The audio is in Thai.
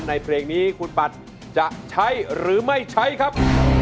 เพลงนี้คุณปัดจะใช้หรือไม่ใช้ครับ